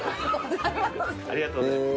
ありがとうございます。